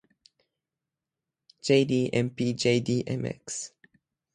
jdmpjdmx